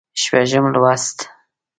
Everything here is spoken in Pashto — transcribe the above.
شپږم لوست